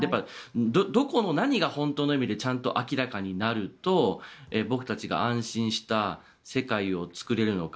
どこに何が本当の意味でちゃんと明らかになると僕たちが安心した世界を作れるのか。